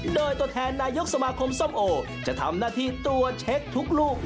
โดยตัวแทนนายกสมาคมส้มโอจะทำหน้าที่ตรวจเช็คทุกลูก